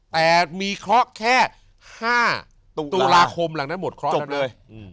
แต่มีเคราะห์แค่๕ตุลาคมหลังนั้นหมดเคราะห์จบเลย